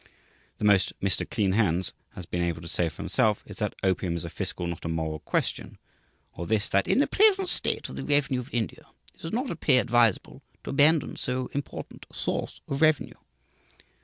The most Mr. Clean Hands has been able to say for himself is that, "Opium is a fiscal, not a moral question;" or this, that "In the present state of the revenue of India, it does not appear advisable to abandon so important a source of revenue."